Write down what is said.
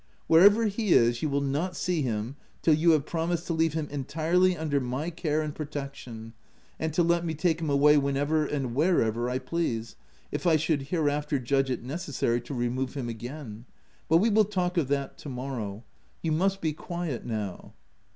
" Wherever he is, you will not see him till you have promised to leave him entirely under my care and protection, and to let me take him away whenever and wherever I please, if I should hereafter judge it necessary to remove him again. But we will talk of that to morrow : you must be quiet now."